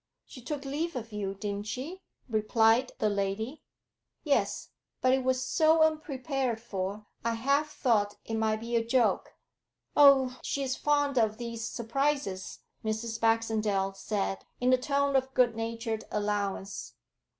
'She took leave of you, didn't she?' replied the lady. 'Yes. But it was So unprepared for, I half thought it might be a joke.' 'Oh, she's fond of these surprises,' Mrs. Baxendale said, in a tone of good natured allowance.